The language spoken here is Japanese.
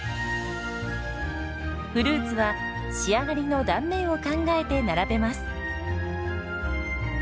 フルーツは仕上がりの断面を考えて並べます。